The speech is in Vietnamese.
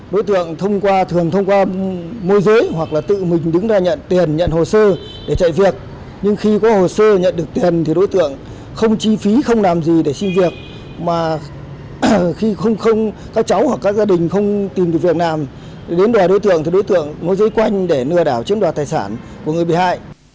đối tượng thường thông qua môi giới hoặc là tự mình đứng ra nhận tiền nhận hồ sơ để chạy việc nhưng khi có hồ sơ nhận được tiền thì đối tượng không chi phí không làm gì để xin việc mà khi các cháu hoặc các gia đình không tìm được việc làm đến đòi đối tượng thì đối tượng môi giới quanh để lừa đảo chiếm đoạt tài sản của người bị hại